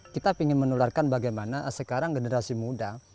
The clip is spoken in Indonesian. kita ingin menularkan bagaimana sekarang generasi muda